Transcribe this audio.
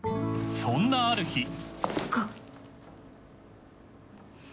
そんなある日。